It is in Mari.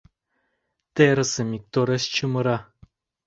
Терысым иктореш чумыра.